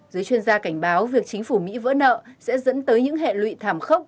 dưới chuyên gia cảnh báo việc chính phủ mỹ vỡ nợ sẽ dẫn tới những hẹn lụy thảm khốc